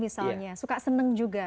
misalnya suka seneng juga